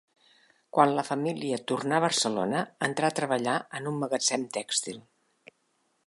Quan la família tornà a Barcelona, entrà a treballar en un magatzem tèxtil.